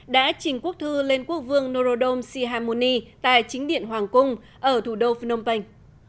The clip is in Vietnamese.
đã trình quốc thư lên quốc vương norodom sihamoni tại chính điện hoàng cung ở thủ đô phnom penh